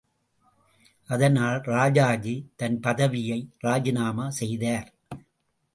அதனால் ராஜாஜி தன் பதவியை ராஜிநாமா செய்தார்.